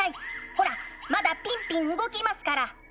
ほらまだピンピン動きますから！